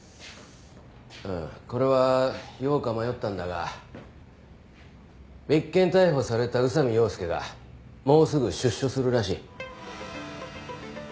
あっこれは言おうか迷ったんだが別件逮捕された宇佐美洋介がもうすぐ出所するらしい。